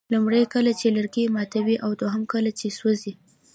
لومړی کله چې لرګي ماتوئ او دوهم کله چې سوځوئ.